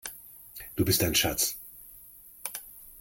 Du bist ein Schatz!